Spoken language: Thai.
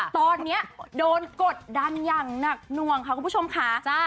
ตอนนี้โดนกดดันอย่างหนักหน่วงค่ะคุณผู้ชมค่ะ